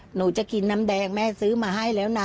หนูจะกินน้ำแดงแม่ซื้อมาให้แล้วนะ